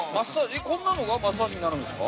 ◆こんなのがマッサージになるんですか。